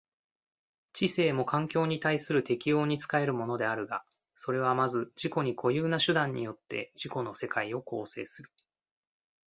知性も環境に対する適応に仕えるものであるが、それはまず自己に固有な手段によって自己の世界を構成する。